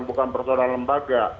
bukan perusahaan lembaga